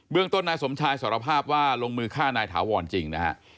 เบื้องต้นนายสมชายสรภาพว่าลงมือฆ่านายถาวรจริงนะครับ